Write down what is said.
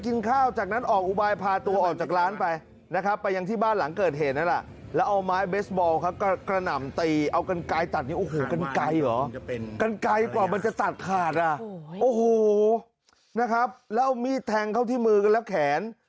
ก่อนมันจะตัดขาดอ่ะโอ้โหนะครับแล้วเอามีดแทงเข้าที่มือกันแล้วแขน